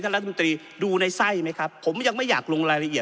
รัฐมนตรีดูในไส้ไหมครับผมยังไม่อยากลงรายละเอียด